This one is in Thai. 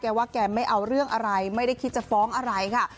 ว่าแกไม่เอาเรื่องอะไรไม่ได้คิดจะฟ้องอะไรค่ะ